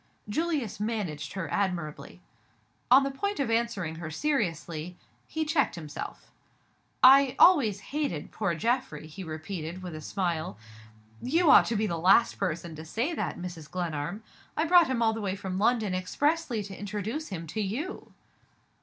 Julius managed her admirably. On the point of answering her seriously, he checked himself. "I always hated poor Geoffrey," he repeated, with a smile. "You ought to be the last person to say that, Mrs. Glenarm! I brought him all the way from London expressly to introduce him to _you.